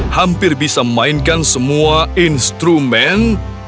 hampir bisa memainkan semua instrumen